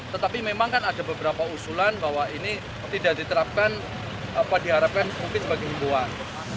tetapi memang kan ada beberapa usulan bahwa ini tidak diterapkan apa diharapkan mungkin sebagai himpuan